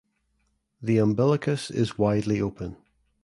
The umbilicus is widely open.